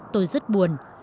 tôi rất buồn